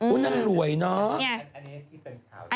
อุ๊ยนั่นรวยเนอะ